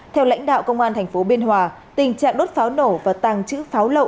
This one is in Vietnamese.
theo lãnh đạo công an thành phố biên hòa tình trạng đốt pháo nổ và tàng chữ pháo lộ